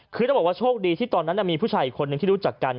คือต้องบอกว่าโชคดีที่ตอนนั้นมีผู้ชายอีกคนนึงที่รู้จักกัน